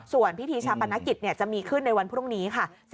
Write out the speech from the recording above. ส่วนพิธีชาปนกิจจะมีขึ้นในวันพรุ่งนี้ค่ะ